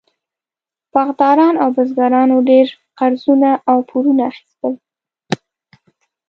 باغداران او بزګرانو ډېر قرضونه او پورونه اخیستل.